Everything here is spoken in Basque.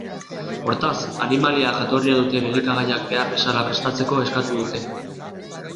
Hortaz, animalia-jatorria duten elikagaiak behar bezala prestatzeko eskatu dute.